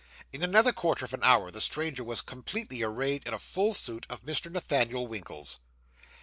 In another quarter of an hour the stranger was completely arrayed in a full suit of Mr. Nathaniel Winkle's.